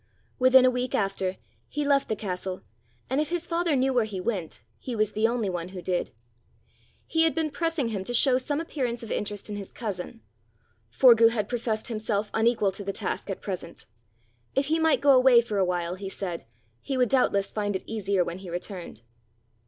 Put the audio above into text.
Within a week after, he left the castle, and if his father knew where he went, he was the only one who did. He had been pressing him to show some appearance of interest in his cousin; Forgue had professed himself unequal to the task at present: if he might go away for a while, he said, he would doubtless find it easier when he returned.